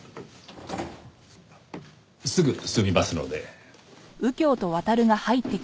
すぐ済みますので。